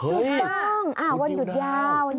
หยุดบ้างวันหยุดยาว